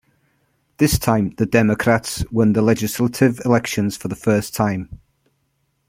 This time the democrats won the legislative elections for the first time.